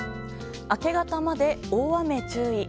明け方まで、大雨注意。